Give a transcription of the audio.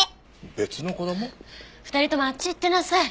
２人ともあっち行ってなさい。